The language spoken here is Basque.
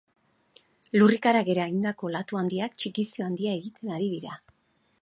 Lurrikarak eragindako olatu handiak txikizio handia egiten ari dira.